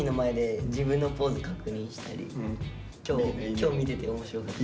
今日見てて面白かった。